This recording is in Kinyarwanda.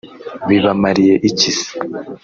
bibamariye iki se